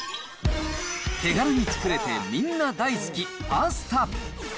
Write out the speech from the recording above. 手軽に作れてみんな大好き、パスタ。